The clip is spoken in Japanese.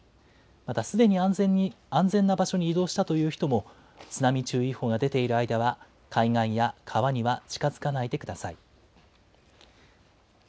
またすでに安全な場所に移動したという人も、津波注意報が出ている間は、海岸や川には近づかないでください。